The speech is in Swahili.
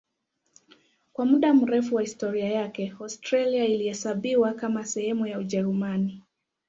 Kwa muda mrefu wa historia yake Austria ilihesabiwa kama sehemu ya Ujerumani.